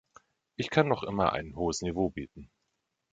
Ich kann noch immer ein hohes Niveau bieten.